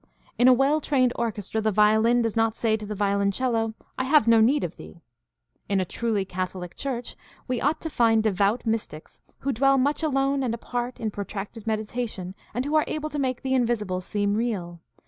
In a well trained orchestra the violin does not say to the violoncello, ''I have no need of thee." In a truly catholic church we ought to find devout mystics who dwell much alone and apart in protracted meditation, and who are able to make the invisible seem real.